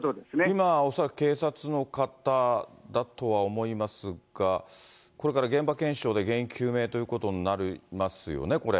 今、恐らく警察の方だとは思いますが、これから現場検証で原因究明ということになりますよね、これ。